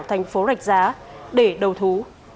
thành phố rạch giá để đầu thú